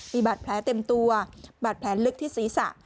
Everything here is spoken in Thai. มีบาดแผลเต็มตัวบาดแผลลึกที่ศีรษะ